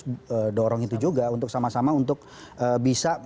kita dorong itu juga untuk sama sama untuk bisa